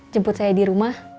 jemput saya di rumah